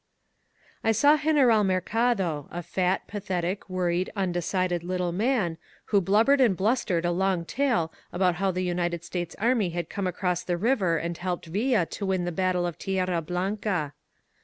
... f " I saw General Mercado, a fat, pathetic, worried, un decided little man, who blubbered and blustered a long tale about how the United States army had come across the river and helped Villa to win the battle of Tierra Blanca.